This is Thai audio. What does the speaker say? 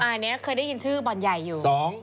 อันนี้เคยได้ยินชื่อบ่อนใหญ่อยู่